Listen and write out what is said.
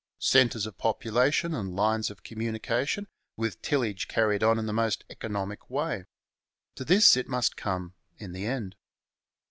Centres of population and lines of communication, with tillage carried on in the most economic way ; to this it must come in the end.